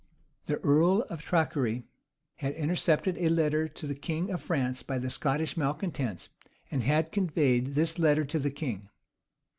The earl of Traquaire had intercepted a letter written to the king of France by the Scottish malecontents, and had conveyed this letter to the king.